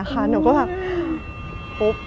หนูก็แบบพบ